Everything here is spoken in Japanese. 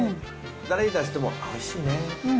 誰に出してもおいしいねっていう。